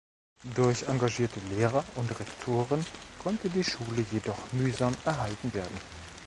Durch engagierte Lehrer und Rektoren konnte die Schule jedoch mühsam erhalten werden.